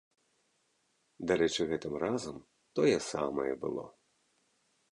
Дарэчы, гэтым разам тое самае было.